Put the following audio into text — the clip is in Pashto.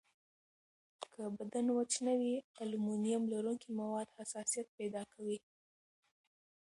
که بدن وچ نه وي، المونیم لرونکي مواد حساسیت پیدا کوي.